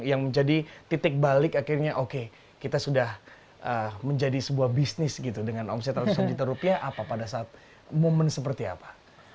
yang menjadi titik balik akhirnya oke kita sudah menjadi sebuah bisnis gitu dengan omset ratusan juta rupiah apa pada saat momen seperti apa